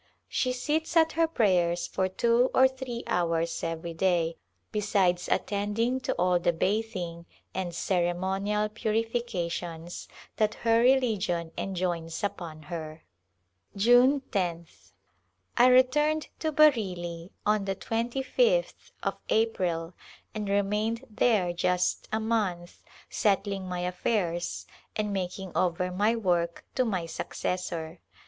She sits at her prayers for two or three hours every day, besides attending to all the bathing and ceremonial purifications that her religion enjoins upon her. 'June loth. I returned to Bareilly on the 25th of April and re mained there just a month settling my affairs and mak ing over my work to my successor.